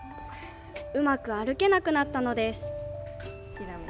うまく歩けなくなったのです。